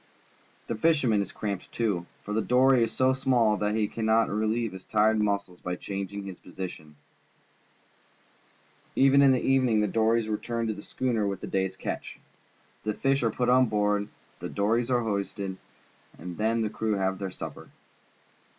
The fisherman is cramped, too, for the dory is so small that he cannot relie^'e his tired muscles by changing his position. In the evening the dories return to the schooner wdth the day's catch. The fish are put on board, the dories are hoisted, and 16 PUBLIC SCHOOL GEOGRAPHY then the crew have their supper.